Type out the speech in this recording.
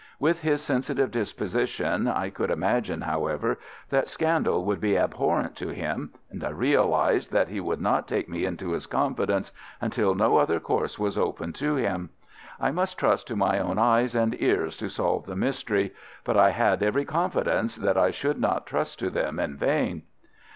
With his sensitive disposition I could imagine, however, that scandal would be abhorrent to him, and I realized that he would not take me into his confidence until no other course was open to him. I must trust to my own eyes and ears to solve the mystery, but I had every confidence that I should not trust to them in vain.